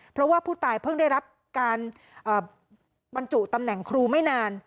เพราะว่าผู้ตายเพิ่งได้รับการบรรจุตำแหน่งครูไม่นาน